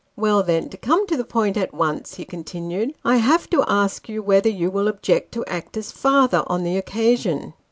" Well, then, to come to the point at once," he continued, " I. havo to ask you whether you will object to act as father on the occasion